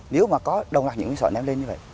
nếu mà có đồng loạt những viên sỏi ném lên như vậy